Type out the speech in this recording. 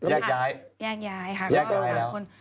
แยกย้ายแยกย้ายค่ะแยกย้ายแล้ว